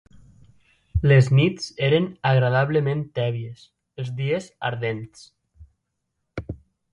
Les nits eren agradablement tèbies, els dies ardents